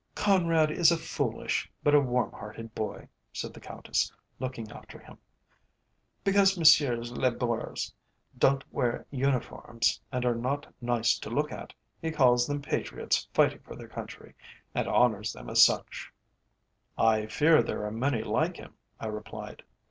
"Conrad is a foolish but a warm hearted boy," said the Countess, looking after him. "Because Messieurs les Boers don't wear uniforms, and are not nice to look at, he calls them patriots fighting for their country, and honours them as such." "I fear there are many like him," I replied.